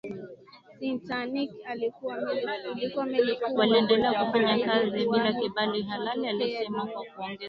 titanic ilikuwa meli kubwa zaidi kuwahi kutokea duniani